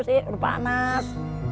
masih berubah mas